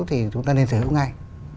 thì chúng ta nên sở hữu ngay